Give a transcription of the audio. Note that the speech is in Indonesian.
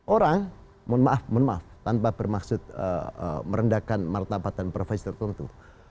orang mohon maaf mohon maaf tanpa bermaksud merendahkan martabat dan profesi tertentu